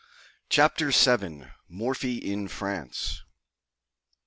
] CHAPTER VII. MORPHY IN FRANCE.